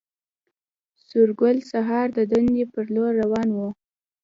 سورګل سهار د دندې پر لور روان و